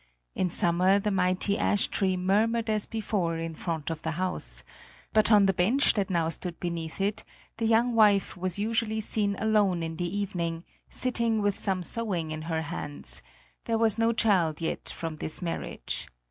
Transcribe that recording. In summer the mighty ash tree murmured as before in front of the house; but on the bench that now stood beneath it, the young wife was usually seen alone in the evening, sitting with some sewing in her hands; there was no child yet from this marriage.